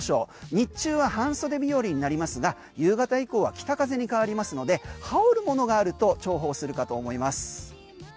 日中は半袖日和になりますが夕方以降は北風に変わりますので羽織るものがあると重宝するかと思います。